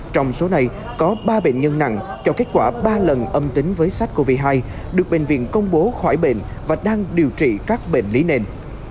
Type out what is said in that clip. trong số này có ba bệnh nhân nặng cho kết quả ba lần âm tính với sars cov hai được bệnh viện công bố khỏi bệnh và đang điều trị các bệnh lý nền